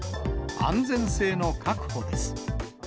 安全性の確保です。